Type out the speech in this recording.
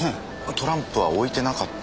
トランプは置いてなかった。